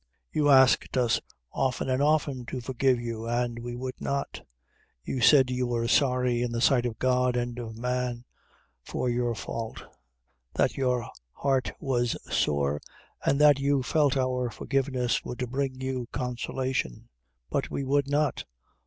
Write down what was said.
You asked us often an' often to forgive you, an' we would not. You said you were sorry, in the sight of God an' of man, for your fault that your heart was sore, an' that you felt our forgiveness would bring you consolation; but we would not.